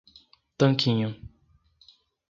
Tanquinho